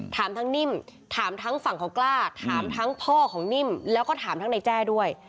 ถามทั้งนิ่มถามทั้งฝั่งของกล้าถามทั้งพ่อของนิ่มแล้วก็ถามทั้งในแจ้ด้วย